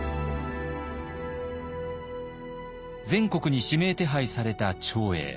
全国に指名手配された長英。